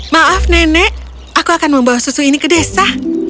maaf nenek aku akan membawa susu ini ke desa